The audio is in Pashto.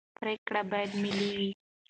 پرېکړې باید ملي وي